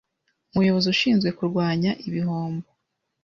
Umuyobozi Ushinzwe kurwanya ibihombo